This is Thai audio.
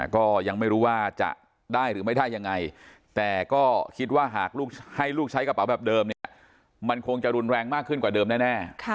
ก็ยังไม่รู้ว่าจะได้หรือไม่ได้ยังไงแต่ก็คิดว่าหากให้ลูกใช้กระเป๋าแบบเดิมเนี่ยมันคงจะรุนแรงมากขึ้นกว่าเดิมแน่